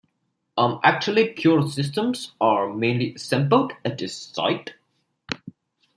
Actually, PureSystems are mainly assembled at this site.